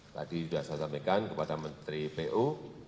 tadi sudah saya sampaikan kepada menteri pu